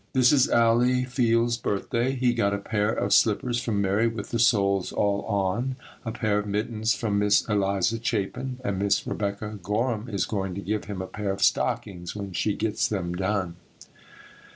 This is Allie Field's birthday. He got a pair of slippers from Mary with the soles all on; a pair of mittens from Miss Eliza Chapin, and Miss Rebecca Gorham is going to give him a pair of stockings when she gets them done.